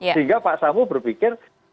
sehingga pak sambo berpikir